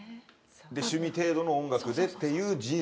で趣味程度の音楽でっていう人生になってた。